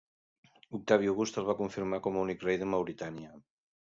Octavi August el va confirmar com a únic rei de Mauritània.